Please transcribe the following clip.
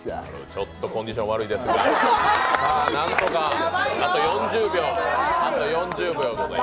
ちょっとコンディション、悪いですが、なんとかあと４０秒ございます。